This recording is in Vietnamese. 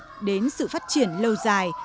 đưa đến sự phát triển lâu dài